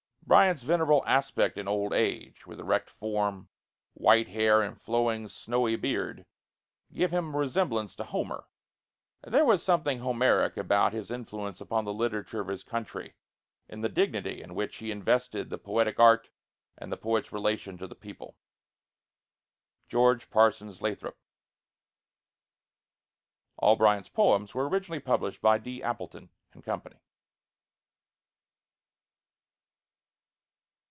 Bryant's venerable aspect in old age with erect form, white hair, and flowing snowy beard gave him a resemblance to Homer; and there was something Homeric about his influence upon the literature of his country, in the dignity with which he invested the poetic art and the poet's relation to the people. [Illustration: Signature: George Parsons Lathrop] [All Bryant's poems were originally published by D. Appleton and Company.